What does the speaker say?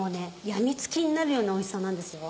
病みつきになるようなおいしさなんですよ。